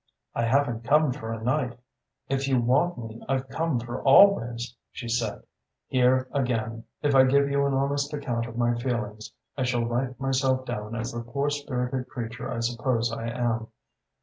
"'I haven't come for a night; if you want me I've come for always,' she said. "Here again, if I give you an honest account of my feelings I shall write myself down as the poor spirited creature I suppose I am.